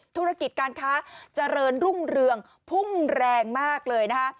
ธุรกิจการค้าเจริญรุ่งเรืองพุ่งแรงมากเลยนะคะ